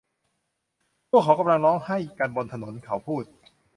พวกเขากำลังร้องไห้กันบนถนน'เขาพูด